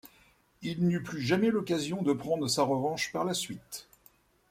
Il n'eut plus jamais l'occasion de prendre sa revanche par la suite.